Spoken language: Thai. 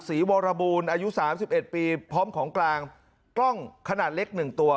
วรบูรณ์อายุสามสิบเอ็ดปีพร้อมของกลางกล้องขนาดเล็กหนึ่งตัว